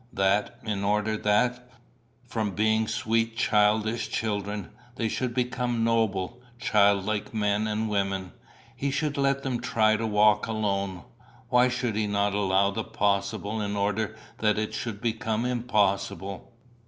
that, in order that, from being sweet childish children, they should become noble, child like men and women, he should let them try to walk alone? Why should he not allow the possible in order that it should become impossible?